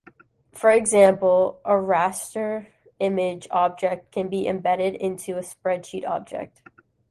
For example, a raster image object can be embedded into a spreadsheet object.